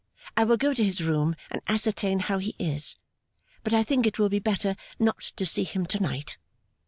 I will go to his room and ascertain how he is. But I think it will be better not to see him to night.